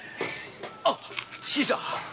あ新さん。